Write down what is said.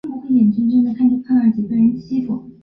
其他着作权条约并不要求这种手续。